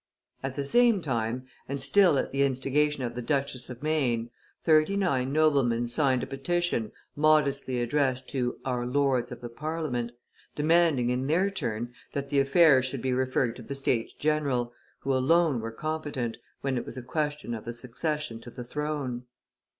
At the same time, and still at the instigation of the Duchess of Maine, thirty nine noblemen signed a petition, modestly addressad to "Our Lords of the Parliament," demanding, in their turn, that the affair should be referred to the states general, who alone were competent, when it was a question of the succession to the throne.